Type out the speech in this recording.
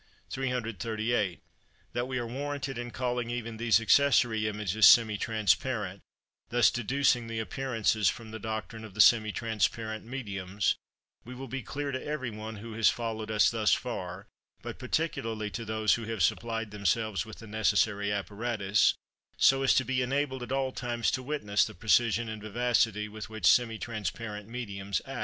338. That we are warranted in calling even these accessory images semi transparent, thus deducing the appearances from the doctrine of the semi transparent mediums, will be clear to every one who has followed us thus far, but particularly to those who have supplied themselves with the necessary apparatus, so as to be enabled at all times to witness the precision and vivacity with which semi transparent mediums act.